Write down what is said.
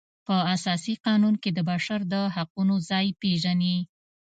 په اساسي قانون کې د بشر د حقونو ځای وپیژني.